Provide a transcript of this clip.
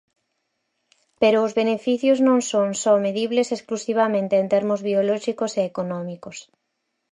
Pero os beneficios non son só medibles exclusivamente en termos biolóxicos e económicos.